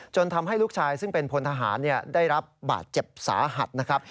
ทำให้ลูกชายซึ่งเป็นพลทหารได้รับบาดเจ็บสาหัสนะครับ